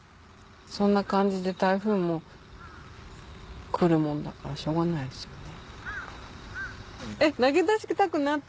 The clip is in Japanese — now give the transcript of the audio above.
そんな感じで台風も来るもんだからしょうがないですよね。